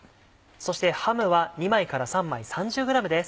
そしてハムは２枚から３枚３０ｇです。